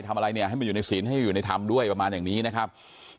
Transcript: ทำอะไรเนี่ยให้มันอยู่ในศีลให้อยู่ในธรรมด้วยประมาณอย่างนี้นะครับ